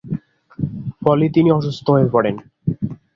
ফলে তিনি অসুস্থ হয়ে পড়েন।